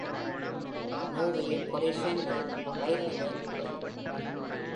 Nowy Korczyn இல் ரயில் நிலையம் இல்லை.